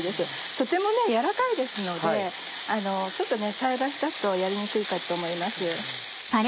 とてもやわらかいですのでちょっと菜箸だとやりにくいかと思います。